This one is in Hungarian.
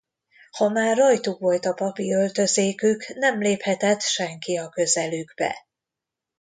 Ha már rajtuk volt a papi öltözékük nem léphetett senki a közelükbe.